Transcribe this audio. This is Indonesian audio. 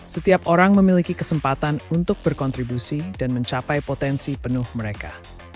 setiap orang memiliki kesempatan untuk berkontribusi dan mencapai potensi penuh mereka